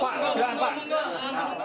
bapak jangan pak